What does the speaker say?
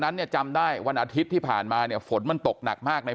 นั้นเนี่ยจำได้วันอาทิตย์ที่ผ่านมาเนี่ยฝนมันตกหนักมากใน